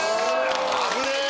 危ねえ！